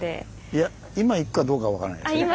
いや今行くかどうかは分からないですよ。